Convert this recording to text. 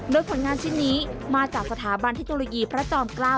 โดยผลงานชิ้นนี้มาจากสถาบันเทคโนโลยีพระจอมเกล้า